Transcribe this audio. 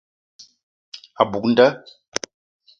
A buk nda.